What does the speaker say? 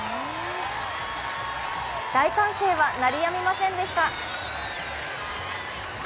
大歓声は鳴りやみませんでした。